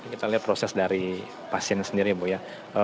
kita lihat proses dari pasien sendiri bu ya